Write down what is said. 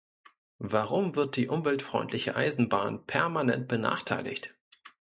Warum wird die umweltfreundliche Eisenbahn permanent benachteiligt?